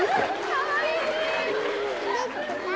かわいい。